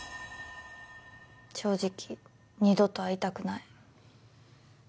正直二度と会いたくない。